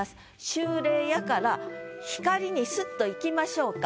「秋麗や」から「光」にスッといきましょうか。